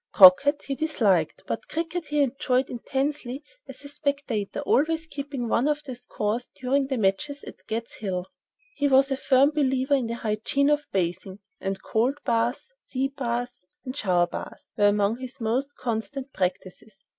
Croquet he disliked, but cricket he enjoyed intensely as a spectator, always keeping one of the scores during the matches at "Gad's Hill." He was a firm believer in the hygiene of bathing, and cold baths, sea baths and shower baths were among his most constant practices.